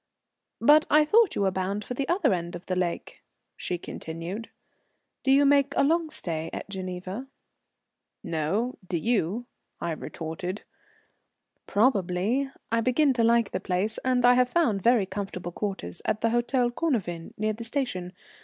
"But I thought you were bound for the other end of the lake," she continued. "Do you make a long stay at Geneva?" "No. Do you?" I retorted. "Probably. I begin to like the place, and I have found very comfortable quarters at the Hôtel Cornavin, near the station.